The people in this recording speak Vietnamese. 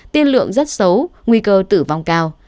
tiên lượng rất xấu nguy cơ tử vong cao